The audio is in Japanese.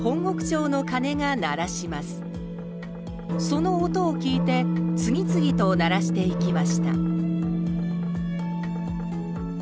その音を聞いて次々と鳴らしていきました